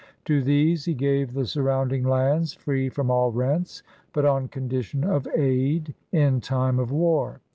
To these he gave the surrounding lands free from all rents, but on condition of aid in time of war.